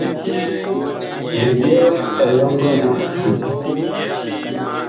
Mi byɛɛ elɔŋgɔ mɔɔn siŋgi.